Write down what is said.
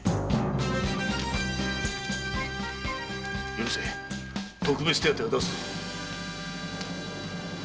許せ特別手当を出すぞ。